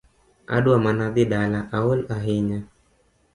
Adwa mana dhii dala aol ahinya